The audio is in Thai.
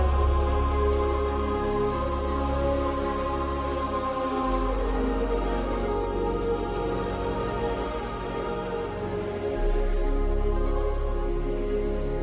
โปรดติดตามตอนต่อไป